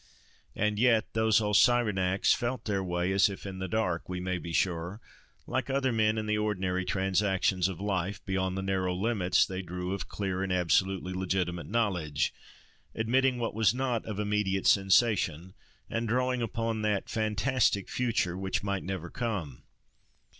And yet those old Cyrenaics felt their way, as if in the dark, we may be sure, like other men in the ordinary transactions of life, beyond the narrow limits they drew of clear and absolutely legitimate knowledge, admitting what was not of immediate sensation, and drawing upon that "fantastic" future which might never come.